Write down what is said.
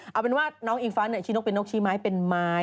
เอาเป็นว่าน้องอิงฟ้าชี้นกเป็นนกชี้ไม้เป็นไม้